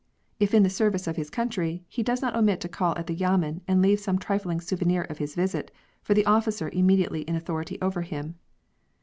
If in the service of his country, he does not omit to call at the yamen and leave some trifling souvenir of his visit for the officer immediately in authority over him.